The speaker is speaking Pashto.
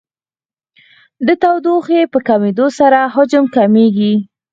د تودوخې په کمېدو سره حجم کمیږي.